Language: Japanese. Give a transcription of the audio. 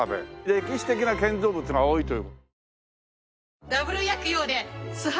歴史的な建造物が多いという。